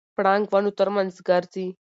پړانګ ونو ترمنځ ګرځي.